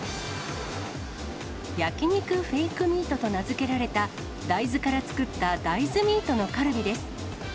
焼肉フェイクミートと名付けられた大豆から作った大豆ミートのカルビです。